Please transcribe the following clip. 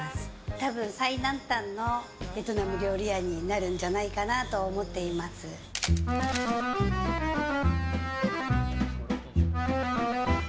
多分最南端のベトナム料理屋になるんじゃないかなと思っています。